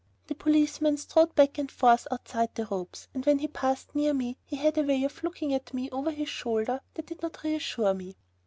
The policeman strode back and forth outside the ropes, and when he passed near me, he had a way of looking at me over his shoulder that did not reassure me.